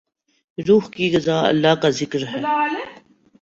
روح کی غذا اللہ کا ذکر ہے۔